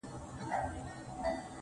o او که يې اخلې نو آدم اوحوا ولي دوه وه.